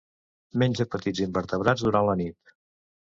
Menja petits invertebrats durant la nit.